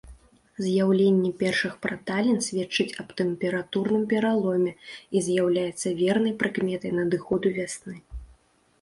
З'яўленне першых праталін сведчыць аб тэмпературным пераломе і з'яўляецца вернай прыкметай надыходу вясны.